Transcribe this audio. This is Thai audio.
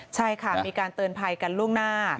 ใช่ค่ะมีการเตือนภัยกันล่วงหน้า